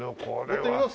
乗ってみます？